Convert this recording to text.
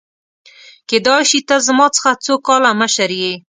کيدای شي ته زما څخه څو کاله مشر يې !؟